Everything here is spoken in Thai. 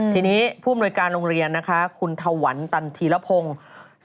ทีนี้ผู้มนุยการโรงเรียนคุณถวัลตันธีรพงศ์